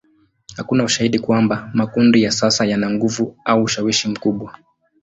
Hakuna ushahidi kwamba makundi ya sasa yana nguvu au ushawishi mkubwa.